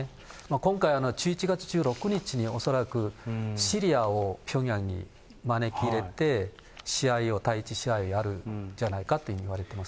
今回は１１月１６日に恐らくシリアをピョンヤンに招き入れて、試合を、第１試合やるんじゃないかといわれています。